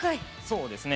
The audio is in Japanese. そうですね。